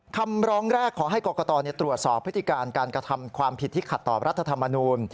คำร้องแรกขอให้กรกตตรวจสอบพฤติการการกระทำความผิดที่ขัดต่อรัฐธรรมนูล